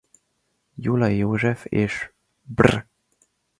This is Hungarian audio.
Gyulai József és br.